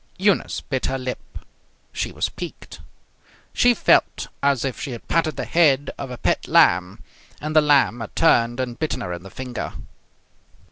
Eunice bit her lip. She was piqued. She felt as if she had patted the head of a pet lamb, and the lamb had turned and bitten her in the finger.